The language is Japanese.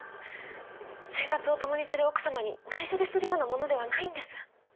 生活を共にする奥様にないしょでするようなものではないんです。